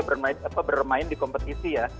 sebenarnya pemain pemain banyak berguna di kompetisi ya